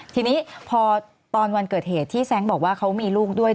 ทีนี้พอตอนวันเกิดเหตุที่แซงบอกว่าเขามีลูกด้วย